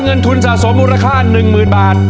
เงินทุนสะสมมูลค่าหนึ่งหมื่นบาท